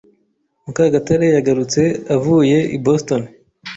Mukagatare yagarutse avuye i Boston.